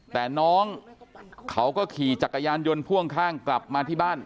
แต่น้องเขาก็ขี่จักรยานยนต์พ่วงข้างกลับมาที่บ้าน